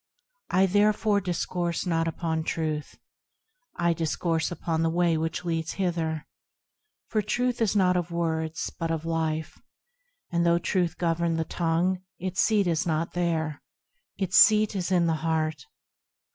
I, therefore, discourse not upon Truth, I discourse upon the Way which leads thither; For Truth is not of words, but of life, And though Truth govern the tongue, its seat is not there, Its seat is in the heart.